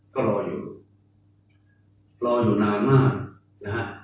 ก็รออยู่รออยู่นานมากนะฮะ